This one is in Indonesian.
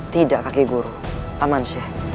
tidak kakek guru aman sih